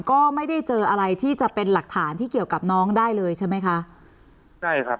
ก็ไม่ได้เจออะไรที่จะเป็นหลักฐานที่เกี่ยวกับน้องได้เลยใช่ไหมคะใช่ครับ